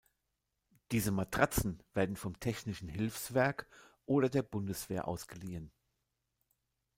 Diese Matratzen werden vom Technischen Hilfswerk oder der Bundeswehr ausgeliehen.